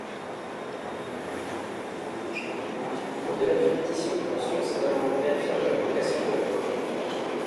Au-delà d’une pétition d’intentions, cet amendement réaffirme la vocation de la commune.